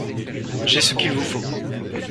J’ai ce qu’il vous faut.